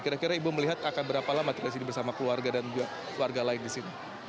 kira kira ibu melihat akan berapa lama terdiri bersama keluarga dan keluarga lain di sini